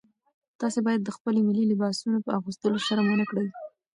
تاسي باید د خپلو ملي لباسونو په اغوستلو شرم ونه کړئ.